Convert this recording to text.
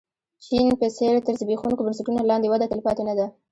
چین په څېر تر زبېښونکو بنسټونو لاندې وده تلپاتې نه ده.